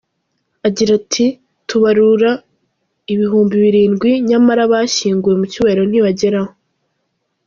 Agira ati “Tubarura ibihumbi birindwi, nyamara abashyinguwe mu cyubahiro ntibageraho.